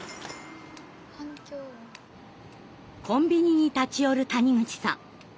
コンビニに立ち寄る谷口さん。